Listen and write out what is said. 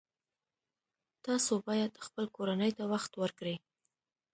تاسو باید خپلې کورنۍ ته وخت ورکړئ